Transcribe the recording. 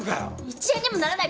１円にもならない